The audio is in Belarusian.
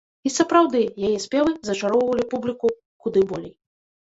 І сапраўды, яе спевы зачароўвалі публіку куды болей.